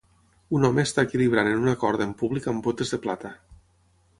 Un home està equilibrant en una corda en públic amb botes de plata.